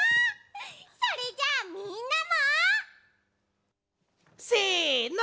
それじゃあみんなも！せの！